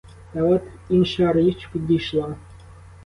Та от інша річ підійшла.